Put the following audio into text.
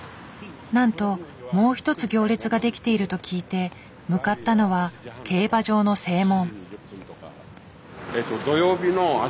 なんともう一つ行列が出来ていると聞いて向かったのは競馬場の正門。